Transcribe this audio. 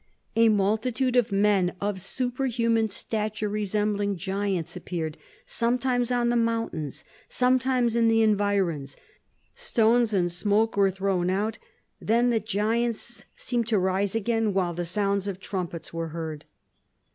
"A multitude of men, of superhuman stature, resembling giants, appeared sometimes on the mountains, sometimes in the environs; stones and smoke were thrown out; then the giants seemed to rise again, while the sounds of trumpets were heard."